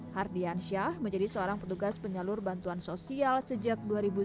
hardiansyah menjadi seorang petugas penyalur bantuan sosial sejak dua ribu sembilan belas